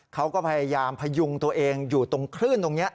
เขาก็พยายามพยุงตัวเองอยู่ตรงคลื่นตรงนี้